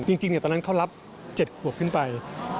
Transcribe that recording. จริงตอนนั้นเขารับ๗ขวบขึ้นไป